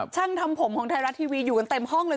ช่างทำผมของไทยรัฐทีวีอยู่กันเต็มห้องเลย